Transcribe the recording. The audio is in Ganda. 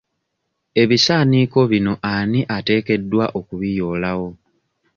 Ebisaaniiko bino ani ateekeddwa okubiyoolawo?